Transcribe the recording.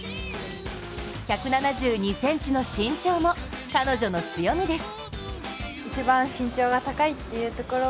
１７２ｃｍの身長も彼女の強みです。